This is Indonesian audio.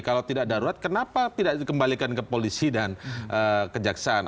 kalau tidak darurat kenapa tidak dikembalikan ke polisi dan kejaksaan